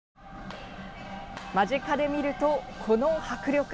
間近で見ると、この迫力。